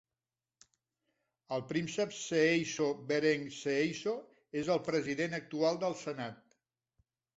El príncep Seeiso Bereng Seeiso és el president actual del Senat.